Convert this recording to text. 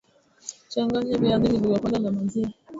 changanya viazi vilivyopondwa na maziwa